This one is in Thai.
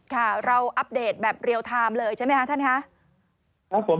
ค่ะเราอัปเดตแบบเรียลไทม์เลยใช่ไหมคะท่านคะ